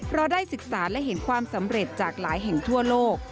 เพราะได้ศึกษาและเห็นความสำเร็จจากหลายแห่งทั่วโลก